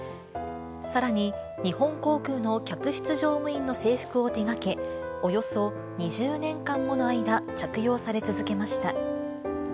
さらに日本航空の客室乗務員の制服を手がけ、およそ２０年間もの間、着用され続けました。